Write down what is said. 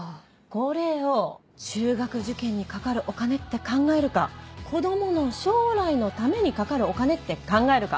これを中学受験にかかるお金って考えるか子供の将来のためにかかるお金って考えるか